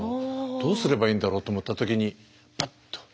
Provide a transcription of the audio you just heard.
どうすればいいんだろうと思った時にパッと電球が。